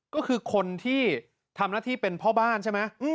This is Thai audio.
ก็คือคนที่ทำหน้าที่เป็นพ่อบ้านใช่ไหม